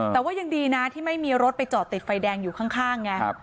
แต่ว่ายังดีนะที่ไม่มีรถไปจอดติดไฟแดงอยู่ข้างไง